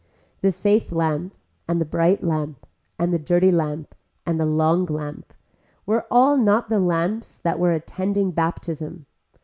The safe lamp and the bright lamp and the dirty lamp and the long lamp were all not the lamps that were attending baptism.